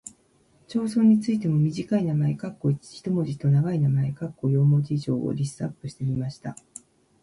町村についても短い名前（一文字）と長い名前（四文字以上）をリストアップしてみました。